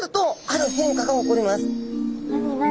何何？